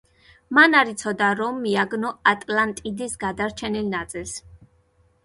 მან არ იცოდა რომ მიაგნო ატლანტიდის გადარჩენილ ნაწილს.